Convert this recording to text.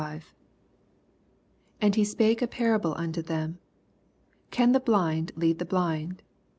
89 And he spake a parable unto them, Can the blind lead the blind